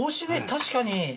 確かに。